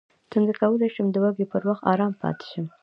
څنګه کولی شم د وږي پر وخت ارام پاتې شم